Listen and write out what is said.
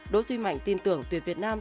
đỗ duy mạnh tin tưởng tuyển việt nam